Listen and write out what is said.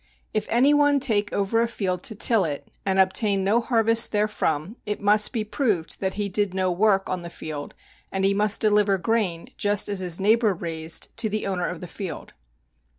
If any one take over a field to till it, and obtain no harvest therefrom, it must be proved that he did no work on the field, and he must deliver grain, just as his neighbor raised, to the owner of the field.